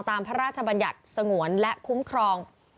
พระราชบัญญัติสงวนและคุ้มครอง